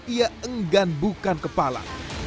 ia enggan bukan kepala